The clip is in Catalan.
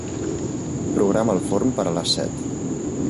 Programa el forn per a les set.